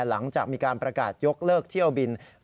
หลังจากมีการประกาศยกเลิกเที่ยวบิน